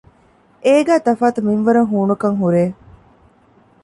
އޭގައި ތަފާތު މިންވަރަށް ހޫނުކަން ހުރޭ